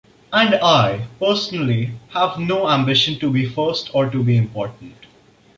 And I, personally, have no ambition to be first or to be important.